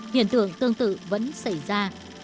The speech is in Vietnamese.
hiện tượng tương tự vẫn xảy ra